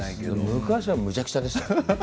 昔はむちゃくちゃでした。